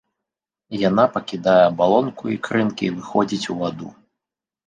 Яна пакідае абалонку ікрынкі і выходзіць у ваду.